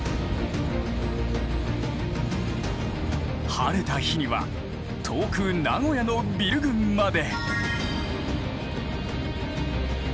晴れた日には遠く名古屋のビル群まで。